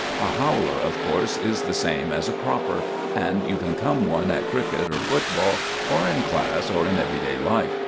A "howler," of course, is the same as a "cropper," and you can come one at cricket or football or in class or in everyday life.